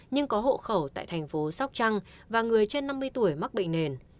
nhưng có hộ khẩu tại thành phố sóc trăng và người trên năm mươi tuổi mắc bệnh nền